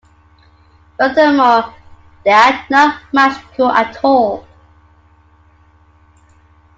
Furthermore, they are not magical at all.